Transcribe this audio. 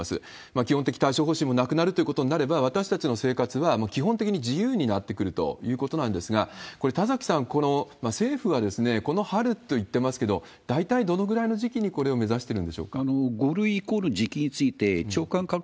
基本的対処方針もなくなるということになれば私たちの生活は基本的に自由になってくるということなんですが、これ、田崎さん、政府は、この春と言っていますけれども、大体どのぐらいの時期に、これを目指しているんでしょうか？